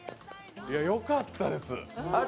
よかったです。